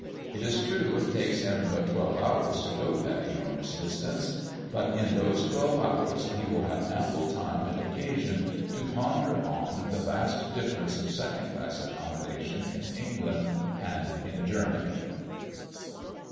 It is true it takes him but twelve hours to go that enormous distance; but in those twelve hours he will have ample time and occasion to ponder on the vast difference of second class accommodation in England and in Germany!